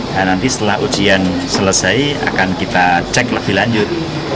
dan nanti setelah ujian selesai akan kita cek lebih lanjut